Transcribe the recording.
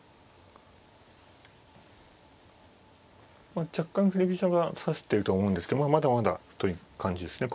まあ若干振り飛車が指してるとは思うんですけどまだまだという感じですね。